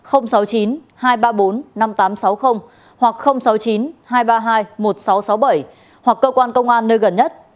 sáu mươi chín hai trăm ba mươi bốn năm nghìn tám trăm sáu mươi hoặc sáu mươi chín hai trăm ba mươi hai một nghìn sáu trăm sáu mươi bảy hoặc cơ quan công an nơi gần nhất